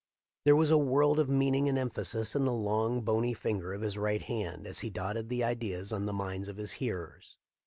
There was a world of meaning and emphasis in the long, bony finger of his right hand as he dotted the ideas on the minds of his hearers.